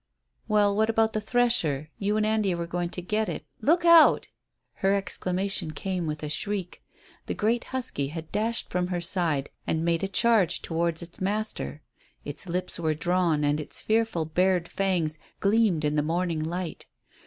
"Well, what about the 'thresher'? You and Andy were going to get it Look out!" Her exclamation came with a shriek. The great husky had dashed from her side and made a charge towards its master. Its lips were drawn up, and its fearful, bared fangs gleamed in the morning light.